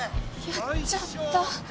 やっちゃった。